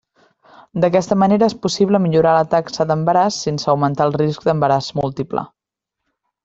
D'aquesta manera és possible millorar la taxa d'embaràs sense augmentar el risc d'embaràs múltiple.